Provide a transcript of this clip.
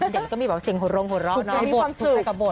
เด็กก็มีเสียงหัวโรงหัวร้องถูกใจกับบท